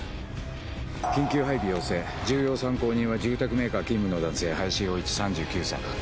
緊急配備要請、重要参考人は住宅メーカー勤務の林洋一、３１歳。